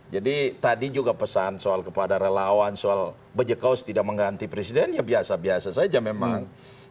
jadi tadi juga pesan soal kepada relawan soal pajakow tidak mengganti presiden ya biasa biasa saja memang